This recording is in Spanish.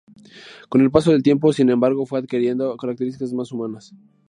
Con el paso del tiempo, sin embargo, fue adquiriendo características más humanas.